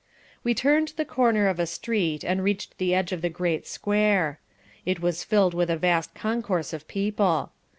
We turned the corner of a street and reached the edge of the great square. It was filled with a vast concourse of people.